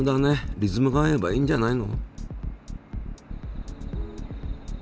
リズムが合えばいいんじゃないの？